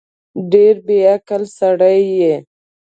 ډېر بیعقل سړی یې